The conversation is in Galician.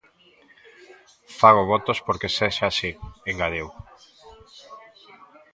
"Fago votos por que sexa así", engadiu.